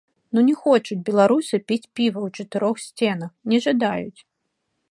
Ну не хочуць беларусы піць піва ў чатырох сценах, не жадаюць!